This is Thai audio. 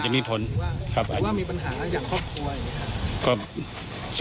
หรือมีปัญหาอย่างครอบครัว